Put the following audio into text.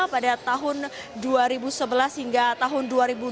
pada tahun dua ribu sebelas hingga tahun dua ribu dua puluh